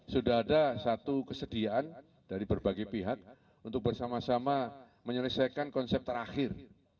sudah ada satu kesediaan dari berbagai pihak untuk bersama sama menyelesaikan konsep terakhir